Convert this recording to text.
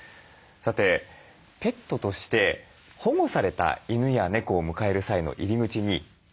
さてペットとして保護された犬や猫を迎える際の入り口に譲渡会があります。